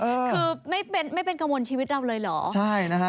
คือไม่เป็นไม่เป็นกังวลชีวิตเราเลยเหรอใช่นะฮะ